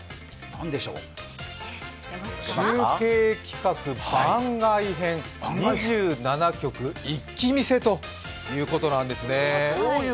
中継企画番外編、２７局一気見せということなんですね。